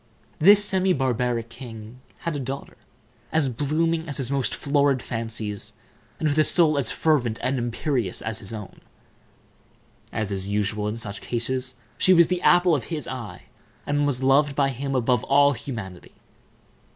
This semi barbaric king had a daughter as blooming as his most florid fancies, and with a soul as fervent and imperious as his own. As is usual in such cases, she was the apple of his eye, and was loved by him above all humanity.